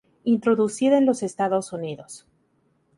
Introducida en los Estados Unidos.